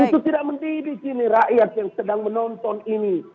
itu tidak mendidik ini rakyat yang sedang menonton ini